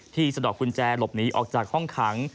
สะดอกกุญแจหลบหนีออกจากห้องขัง